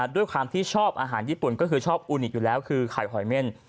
ด้วยความที่ชอบอาหารญี่ปุ่นก็คือชอบอูนิกอยู่แล้วคือไข่หอยเม่น